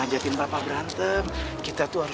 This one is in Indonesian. kamu bisa mengirsa semua kan loser